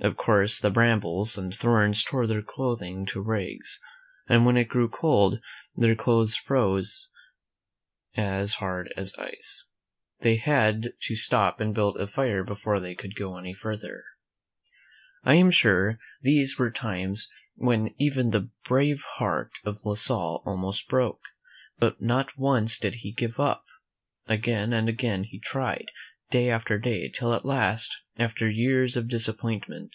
Of course, the brambles and thorns tore their clothing to rags, and when it grew cold, their clothes froze as hard as ice. Then they had to stop and build a fire before they could go any further. I am sure these were times when even the brave heart of La Salle almost broke, but not once did he give up. Again and again he tried, day after day, till at last, after years of disap pointment.